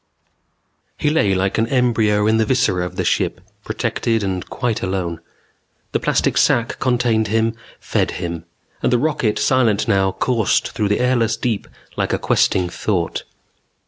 _He lay like an embryo in the viscera of the ship, protected and quite alone. The plastic sac contained him, fed him; and the rocket, silent now, coursed through the airless deep like a questing thought.